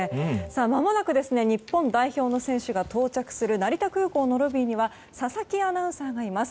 まもなく日本代表の選手が到着する成田空港のロビーには佐々木アナウンサーがいます。